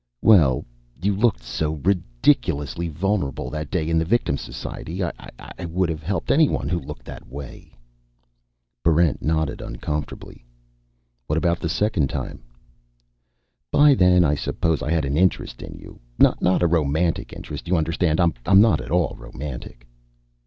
"Well, you looked so ridiculously vulnerable that day in the Victim's Society. I would have helped anyone who looked that way." Barrent nodded uncomfortably. "What about the second time?" "By then I suppose I had an interest in you. Not a romantic interest, you understand. I'm not at all romantic."